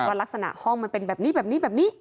ว่าลักษณะห้องมันเป็นแบบนี้